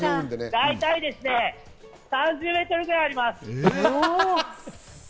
大体３０ｍぐらいあります。